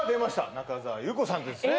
中澤裕子さんですね